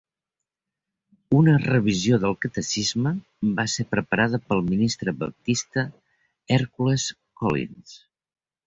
Una revisió del catecisme va ser preparada pel ministre baptista, Hèrcules Collins.